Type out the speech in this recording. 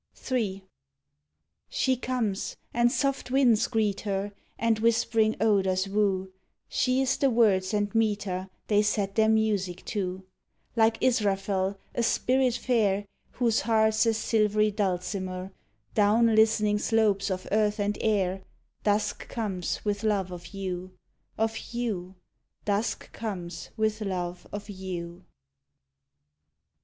III. She comes, and soft winds greet her, And whispering odors woo; She is the words and meter They set their music to: Like Israfel, a spirit fair, Whose heart's a silvery dulcimer, Down listening slopes of earth and air Dusk comes with love of you, Of you, Dusk comes with love of you.